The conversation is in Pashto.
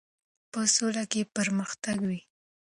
په سوله کې پرمختګ وي.